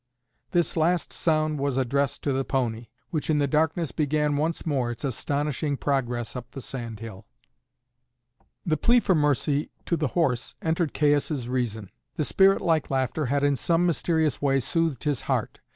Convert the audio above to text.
This last sound was addressed to the pony, which in the darkness began once more its astonishing progress up the sand hill. The plea for mercy to the horse entered Caius' reason. The spirit like laughter had in some mysterious way soothed his heart.